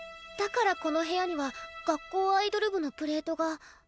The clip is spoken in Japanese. だからこの部屋には「学校アイドル部」のプレートが。